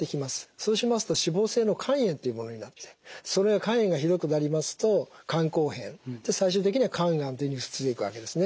そうしますと脂肪性の肝炎というものになってそれが肝炎がひどくなりますと肝硬変最終的には肝がんというふうに続いていくわけですね。